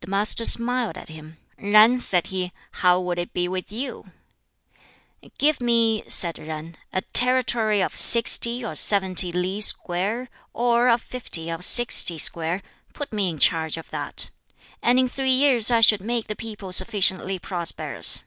The Master smiled at him. "Yen," said he, "how would it be with you?" "Give me," said Yen, "a territory of sixty or seventy li square, or of fifty or sixty square; put me in charge of that, and in three years I should make the people sufficiently prosperous.